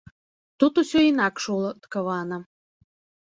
Тут усё інакш уладкавана.